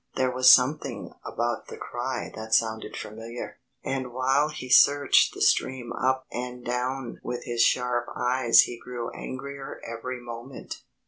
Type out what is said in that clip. There was something about the cry that sounded familiar. And while he searched the stream up and down with his sharp eyes he grew angrier every moment.